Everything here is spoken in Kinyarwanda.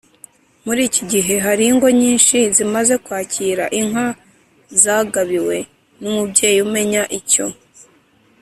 muri iki gihe, hari ingo nyinshi zimaze kwakira inka zagabiwe n’umubyeyi umenya icyo